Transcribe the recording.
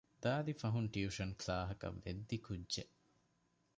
ދާދި ފަހަކުން ޓިއުޝަން ކްލާހަކަށް ވެއްދި ކުއްޖެއް